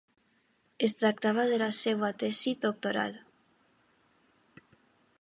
Es tractava de la seva tesi doctoral.